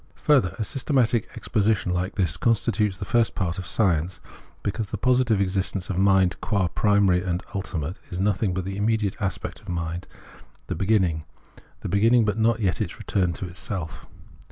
Further, a systematic exposition like this constitutes the first part of science,* because the positive existence of mind, qua primary and ultimate, is nothing but the immediate aspect of mind, the beginning ; the begin ning, but not yet its return to itself.